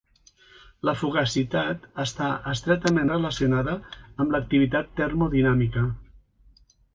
La fugacitat està estretament relacionada amb l'activitat termodinàmica.